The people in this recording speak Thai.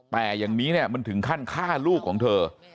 แต่อย่างนี้เนี่ยมันถึงขั้นฆ่าลูกของเธอ